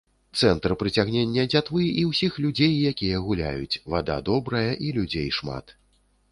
Цэнтр прыцягнення дзятвы і ўсіх людзей, якія гуляюць, вада добрая і людзей шмат.